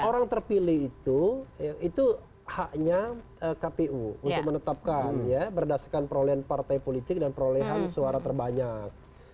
orang terpilih itu itu haknya kpu untuk menetapkan ya berdasarkan perolehan partai politik dan perolehan suara terbanyak